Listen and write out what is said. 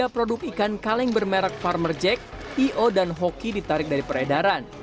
tiga produk ikan kaleng bermerak farmer jack tio dan hoki ditarik dari peredaran